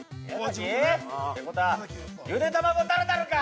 ってことは、ゆで卵タルタルか！